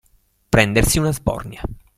Prendersi una sbornia.